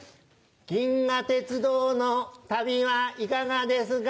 銀河鉄道の旅はいかがですか？